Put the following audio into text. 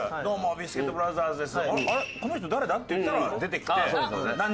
ビスケットブラザーズです。